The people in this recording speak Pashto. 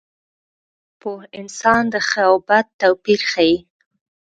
پوهه انسان ته د ښه او بد توپیر ښيي.